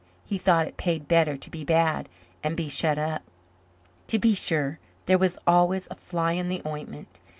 He thought it paid better to be bad and be shut up. To be sure there was always a fly in the ointment.